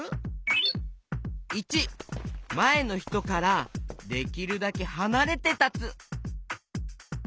①まえのひとからできるだけはなれてたつ。